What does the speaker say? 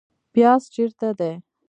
پیاز چیرته دي؟